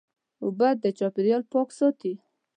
اوبه د چاپېریال پاک ساتي.